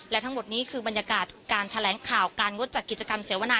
และทั้งหมดนี้คือบรรยากาศการแถลงข่าวการงดจัดกิจกรรมเสวนา